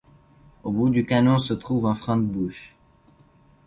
Au bout du canon se trouve un frein de bouche.